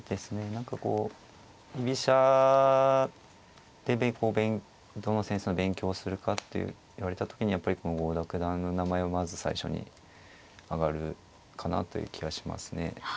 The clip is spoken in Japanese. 何かこう居飛車でどの先生の勉強をするかっていわれた時にやっぱりこの郷田九段の名前をまず最初に挙がるかなという気がしますね。